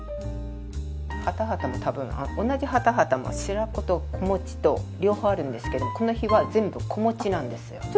同じハタハタも白子と子持ちと両方あるんですけどこの日は全部「子持ち」なんですよ。